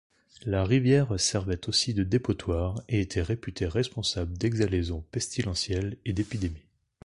La rivière servait aussi de dépotoir et était réputée responsable d'exhalaisons pestilentielles et d'épidémies.